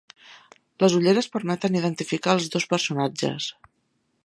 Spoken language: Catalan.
Les ulleres permeten identificar els dos personatges.